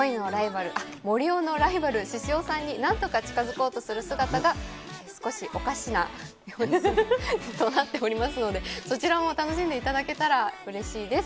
森生のライバル、獅子王さんになんとか近づこうとする姿が、少しおかしな、となっておりますので、そちらも楽しんでいただけたらうれしいです。